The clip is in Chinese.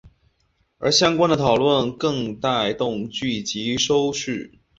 而相关的讨论更带动剧集收视。